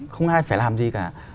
không ai phải làm gì cả